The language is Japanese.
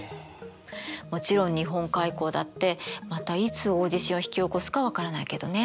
もちろん日本海溝だってまたいつ大地震を引き起こすか分からないけどね。